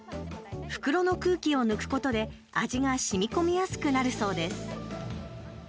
袋の空気を抜くことで味がしみこみやすくなるそうです。